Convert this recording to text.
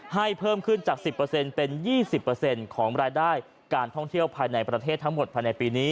เพิ่มขึ้นจาก๑๐เป็น๒๐ของรายได้การท่องเที่ยวภายในประเทศทั้งหมดภายในปีนี้